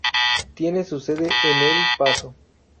Tiene su sede en El Paso.